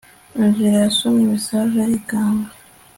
angella yasomye message arikanga